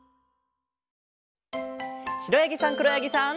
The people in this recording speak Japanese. しろやぎさんくろやぎさん。